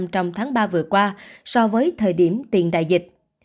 trong tháng ba vừa qua so với thời điểm tiền đại dịch